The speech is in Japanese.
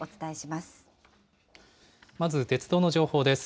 まず鉄道の情報です。